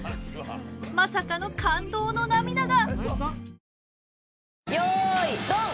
まさかの感動の涙が